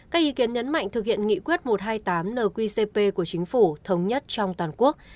các ý kiến nhấn mạnh thực hiện nghị quyết một trăm hai mươi tám nqcp của chính phủ thống nhất trong toàn quốc